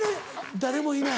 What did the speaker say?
誰もいない」。